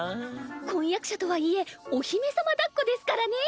婚約者とはいえお姫様抱っこですからねぇ。